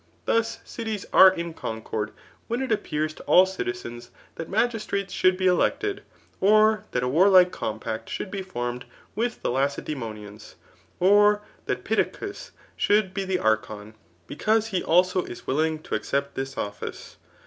Thus cities are in concord when it appears to all the citizens that magistrates should be elected, or that a warlike compact should be formed with the Lacedaemonians, or that Pittacus should be the archon, because he also is willing to accept this office.